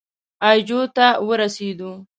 اي جو ته ورسېدو.